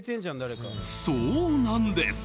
そうなんです。